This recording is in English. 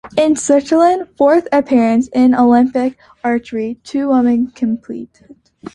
In Switzerland's fourth appearance in Olympic archery, two women competed.